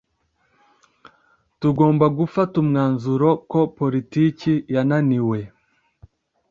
Tugomba gufata umwanzuro ko politiki yananiwe.